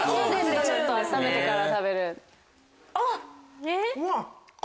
ちょっと温めてから食べる。